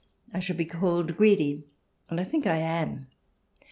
I shall be called greedy. And I think I am.